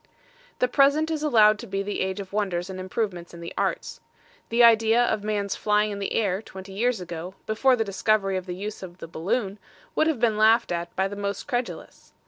The present is allowed to be the age of Wonders and Improvements in the Arts. The idea of Man's flying in the Air, twenty years ago, before the discovery of the use of the balloon, would have been laughed at by the most credulous!